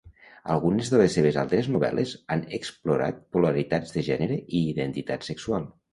Algunes de les seves altres novel·les han explorat polaritats de gènere i identitat sexual.